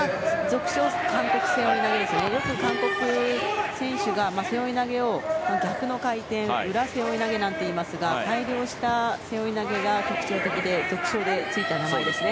よく、韓国選手が背負い投げを回転してやる裏背負い投げなどといいますが改良した背負い投げが特徴的でついた名前ですね。